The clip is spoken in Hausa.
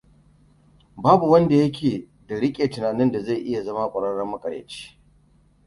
Babu wanda yake da rike tunanin da zai iya zama ƙwararren maƙaryaci.